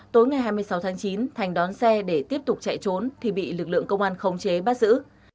tối ngày hai mươi sáu tháng chín thành đón xe để tiếp tục chạy trốn thì bị lực lượng công an khống chế bắt giữ